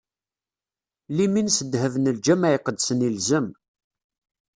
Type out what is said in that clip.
Limin s ddheb n lǧameɛ iqedsen ilzem.